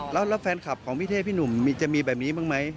แล้วแฟนคลับของพี่เท่พี่หนุ่มจะมีแบบนี้บ้างไหม